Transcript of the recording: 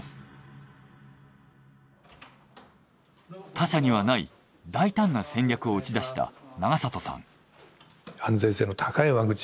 他社にはない大胆な戦略を打ち出した永里さん。